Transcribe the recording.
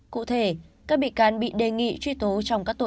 cụ thể các bị can bị đề nghị truy tố trong các tội